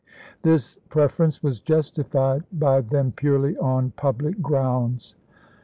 This prefer ence was justified by them purely on public grounds.